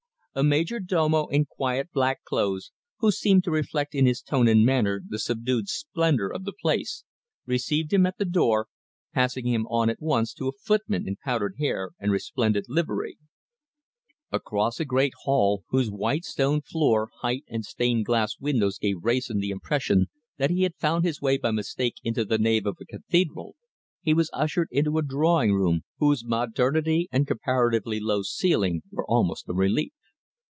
A major domo in quiet black clothes, who seemed to reflect in his tone and manner the subdued splendour of the place, received him at the door, passing him on at once to a footman in powdered hair and resplendent livery. Across a great hall, whose white stone floor, height, and stained glass windows gave Wrayson the impression that he had found his way by mistake into the nave of a cathedral, he was ushered into a drawing room, whose modernity and comparatively low ceiling were almost a relief.